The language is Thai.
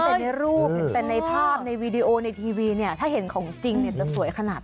แต่ในรูปในภาพในวีดีโอในทีวีถ้าเห็นของจริงจะสวยขนาด